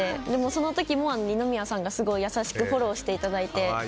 その時も、二宮さんが優しくフォローしていただいて。